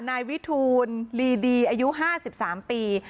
นายวิทูลลีดีอายุ๕๓ปี